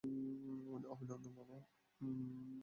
অভিনন্দন, বাবা।